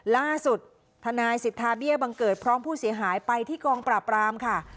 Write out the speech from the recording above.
ล่าสุดทนายสิทธาเบี้ยบังเกิดพร้อมผู้เสียหายไปที่กองปราบรามค่ะ